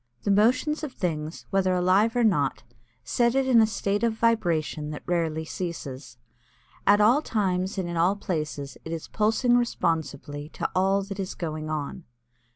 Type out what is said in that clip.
The motions of things whether alive or not, set it in a state of vibration that rarely ceases. At all times and in all places it is pulsing responsively to all that is going on.